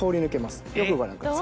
よくご覧ください。